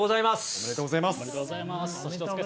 おめでとうございます。